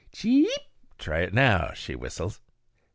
Cheeeep! "try it now," she whistles.